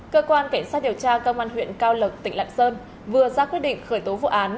cơ quan cảnh sát điều tra công an huyện cao lộc tỉnh lạng sơn vừa ra quyết định khởi tố vụ án